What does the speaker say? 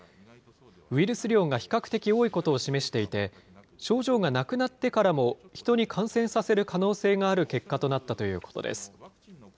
ウイルス量が比較的多いことを示していて、症状がなくなってからも、人に感染させる可能性がある結果となったということです。